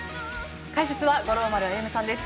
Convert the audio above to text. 解説は五郎丸歩さんです。